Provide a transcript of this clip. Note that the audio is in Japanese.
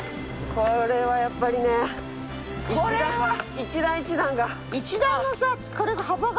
これはやっぱりね一段一段が。